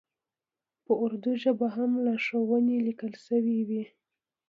په اردو ژبه هم لارښوونې لیکل شوې وې.